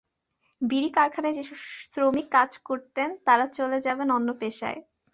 বিড়ি কারখানায় যেসব শ্রমিক কাজ করতেন, তাঁরা চলে যাবেন অন্য পেশায়।